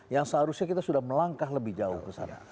yang seharusnya kita sudah melangkah lebih jauh ke sana